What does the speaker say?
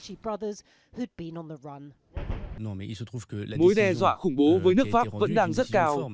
mối đe dọa khủng bố với nước pháp vẫn đang rất cao